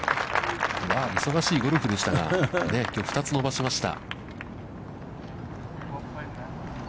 忙しいゴルフでしたが、きょう２つ伸ばしました。